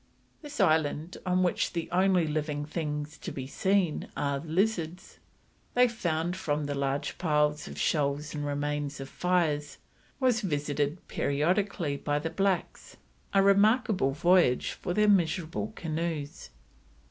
This island, on which the only living things to be seen were lizards, they found, from the large piles of shells and remains of fires, was visited periodically by the blacks; a remarkable voyage for their miserable canoes.